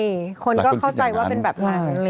คนก็เข้าใจว่าเป็นแบบหลัง